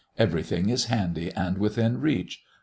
Everything is handy and within reach.